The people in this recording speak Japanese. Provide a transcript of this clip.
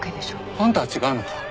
あんたは違うのか？